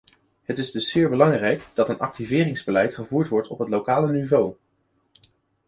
Het is dus zeer belangrijk dat een activeringsbeleid gevoerd wordt op het lokale niveau.